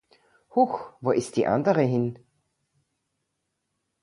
Huch, wo ist die andere hin?